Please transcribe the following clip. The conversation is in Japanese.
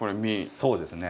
そうですね。